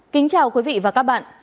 kính chào quý vị và các bạn